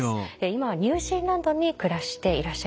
今はニュージーランドに暮らしていらっしゃいます。